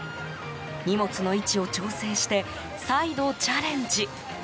荷物の位置を調整して再度チャレンジ。